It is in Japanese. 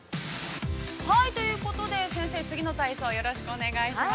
◆はい、ということで、先生、次の体操をよろしくお願いします。